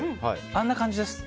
あんな感じです。